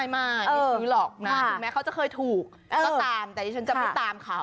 ถูกไหมเขาจะเคยถูกก็ตามแต่ที่ฉันจะไม่ตามเขา